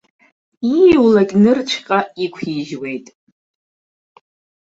Ииулак нырцәҟа иқәижьуеит.